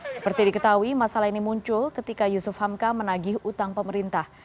seperti diketahui masalah ini muncul ketika yusuf hamka menagih utang pemerintah